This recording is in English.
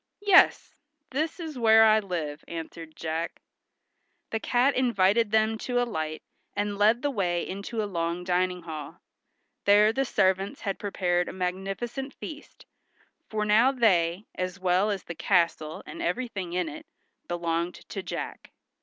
"Yes, this is where I live," answered Jack. The cat invited them to alight and led the way into a long dining hall. There the servants had prepared a magnificent feast, for now they, as well as the castle and everything in it, belonged to Jack.